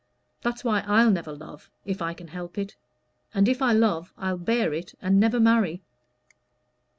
That's why I'll never love, if I can help it; and if I love, I'll bear it, and never marry."